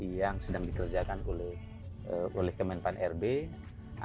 yang sedang dikerjakan oleh kementerian pancasila biasa